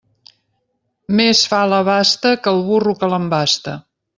Més fa la basta que el burro que l'embasta.